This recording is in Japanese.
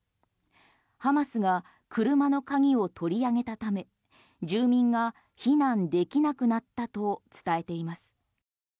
ハマスが車の鍵を取り上げたため住民が避難できなくなったと伝えています。